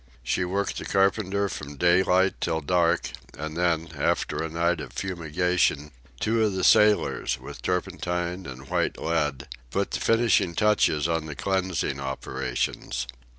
She worked the carpenter from daylight till dark, and then, after a night of fumigation, two of the sailors, with turpentine and white lead, put the finishing touches on the cleansing operations.